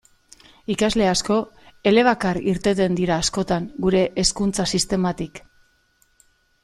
Ikasle asko elebakar irteten dira askotan gure hezkuntza sistematik.